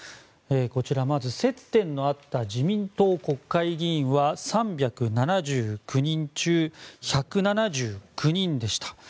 こちら、まず接点のあった自民党国会議員は３７９人中１７９人でした。